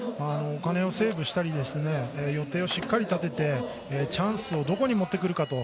お金をセーブしたり予定をしっかり立ててチャンスをどこに持ってくるか。